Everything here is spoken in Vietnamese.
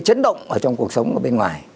chấn động trong cuộc sống bên ngoài